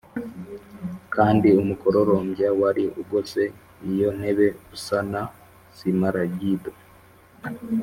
kandi umukororombya wari ugose iyo ntebe usa na simaragido..